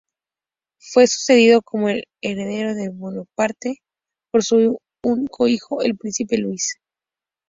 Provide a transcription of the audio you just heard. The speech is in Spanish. Fue sucedido como el heredero de Bonaparte por su único hijo, el Príncipe Luis.